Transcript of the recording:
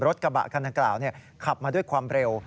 รถกระบะคันดังกล่าวขับมาด้วยความเร็ว